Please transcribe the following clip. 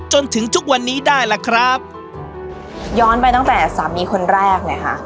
จนถึงทุกวันนี้ได้ล่ะครับย้อนไปตั้งแต่สามีคนแรกเนี่ยค่ะ